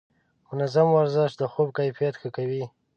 منظم ورزش د خوب کیفیت ښه کوي.